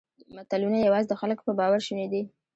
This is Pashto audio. ملتونه یواځې د خلکو په باور شوني دي.